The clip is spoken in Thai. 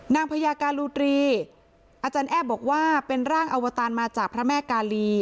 พญาการูตรีอาจารย์แอ้บอกว่าเป็นร่างอวตารมาจากพระแม่กาลี